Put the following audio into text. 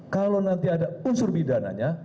kalau nanti ada unsur bidananya